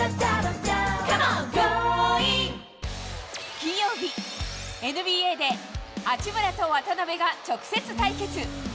金曜日、ＮＢＡで八村と渡邊が直接対決。